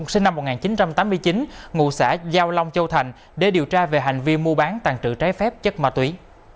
sinh năm một nghìn chín trăm tám mươi chín ngụ xã giao long châu thành để điều tra về hành vi mua bán tàn trự trái phép chất ma túy